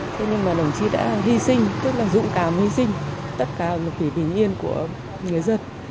thế nhưng mà đồng chí đã hy sinh tức là dũng cảm hy sinh tất cả một kỷ bình yên của người dân